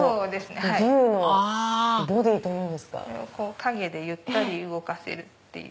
影でゆったり動かせるっていう。